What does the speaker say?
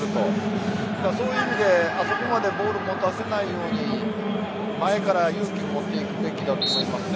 そういう意味で、あそこまでボールを持たせないように前から勇気を持って行くべきだと思いますね。